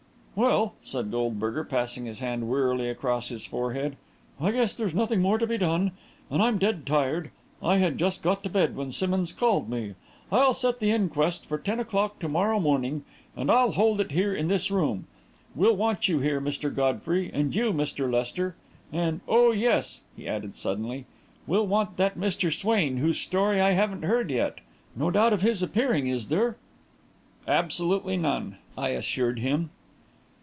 "Well," said Goldberger, passing his hand wearily across his forehead, "I guess there's nothing more to be done. And I'm dead tired. I had just got to bed when Simmonds called me. I'll set the inquest for ten o'clock to morrow morning, and I'll hold it here in this room. We'll want you here, Mr. Godfrey, and you, Mr. Lester. And oh, yes," he added suddenly, "we'll want that Mr. Swain, whose story I haven't heard yet. No doubt of his appearing is there?" "Absolutely none," I assured him.